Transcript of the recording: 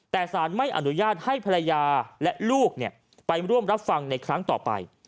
แต่สารไม่อนุญาตให้ภรรยาและลูกไปร่วมรับฟังในครั้งต่อไป